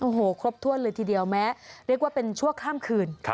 โอ้โหครบถ้วนเลยทีเดียวแม้เรียกว่าเป็นชั่วข้ามคืน